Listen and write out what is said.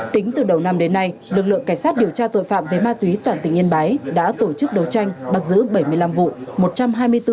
tính từ đầu năm đến nay lực lượng cảnh sát điều tra tội phạm về ma túy toàn tỉnh yên bái đã tổ chức đấu tranh bắt giữ bảy mươi năm vụ